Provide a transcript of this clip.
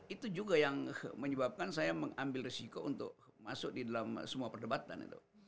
itu juga yang menyebabkan saya mengambil risiko untuk masuk di dalam semua perdebatan itu